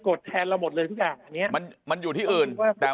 ดแทนเราหมดเลยทุกอย่างอันนี้มันมันอยู่ที่อื่นแต่